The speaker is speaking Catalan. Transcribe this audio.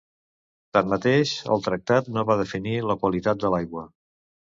Tanmateix, el tractat no va definir la qualitat de l'aigua.